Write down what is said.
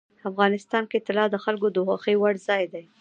افغانستان کې طلا د خلکو د خوښې وړ ځای دی.